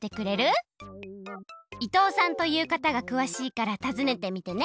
伊藤さんというかたがくわしいからたずねてみてね。